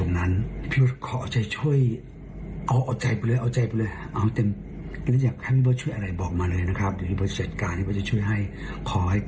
คนพ่อจะต้องมีความสุข